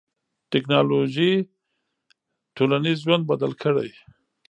ټکنالوژي ټولنیز ژوند بدل کړی.